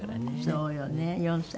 そうよね４歳。